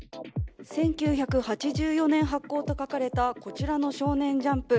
１９８４年発行と書かれたこちらの「少年ジャンプ」。